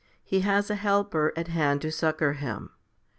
He has a helper at hand to succour him.